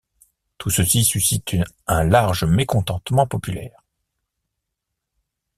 Tout ceci suscite un large mécontentement populaire.